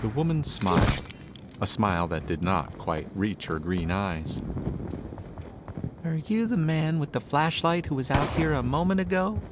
The woman smiled a smile that did not quite reach her green eyes. "Are you the man with the flashlight who was out here a moment ago?"